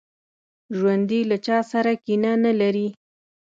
ژوندي له چا سره کینه نه لري